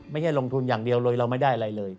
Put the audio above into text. ไม่ใช่ลงทุนอย่างเดียวเลยเราไม่ได้อะไรเลย